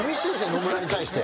野村に対して。